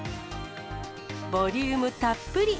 ボリュームたっぷり。